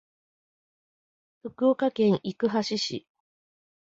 福岡県行橋市